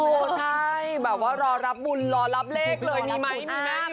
ใช่แบบว่ารอรับบุญรอรับเลขเลยมีไหมมีแม่